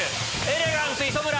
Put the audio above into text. エレガンス磯村！